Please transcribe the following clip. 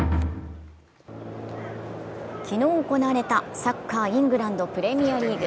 昨日行われたサッカー、イングランド・プレミアリーグ。